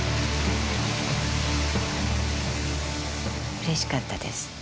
うれしかったです。